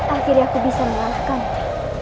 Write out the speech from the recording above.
akhirnya aku bisa mengalahkanmu